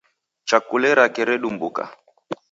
Chakule rake redumbuka.